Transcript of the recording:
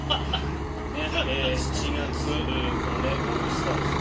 ７月、オールスターですね。